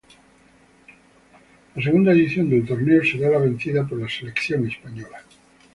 La segunda edición del torneo será la vencida por la selección española.